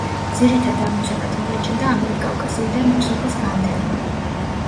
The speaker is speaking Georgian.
ძირითად ამოცანად მიაჩნდა ამიერკავკასიიდან რუსეთის განდევნა.